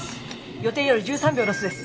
予定より１３秒ロスです。